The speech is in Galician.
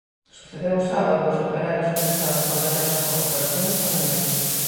Sucedeu o sábado e os operarios comezaron traballar na súa reparación esta mañá.